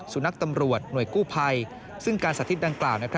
สุนัขตำรวจหน่วยกู้ภัยซึ่งการสาธิตดังกล่าว